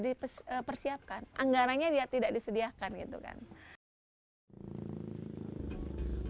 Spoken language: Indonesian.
dipersiapkan anggarannya dia tidak disediakan gitu kan